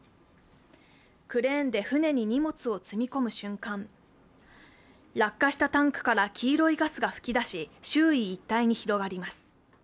クレーンで船に荷物を積み込む瞬間、落下したタンクから黄色いガスが噴き出し、周囲一帯に広がります。